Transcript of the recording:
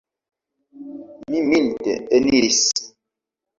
Li milde eniris.